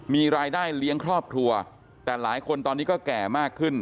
มีรายได้เลี้ยงครอบครัวแต่หลายคนตอนนี้ก็แก่มากขึ้น